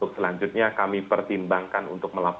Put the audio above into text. selanjutnya kami pertimbangkan untuk melaporkan